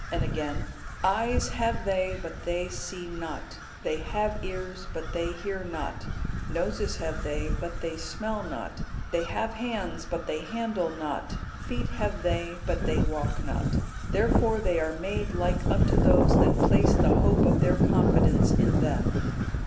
And again, 'Eyes have they, but they see not; they have ears, but they hear not; noses have they, but they smell not; they have hands, but they handle not; feet have they, but they walk not. Therefore they are made like unto those that place the hope of their confidence in them.